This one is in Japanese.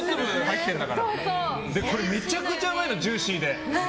これ、めちゃくちゃうまいのジューシーで。